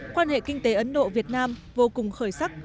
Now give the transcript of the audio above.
quan hệ kinh tế ấn độ việt nam vô cùng khởi sắc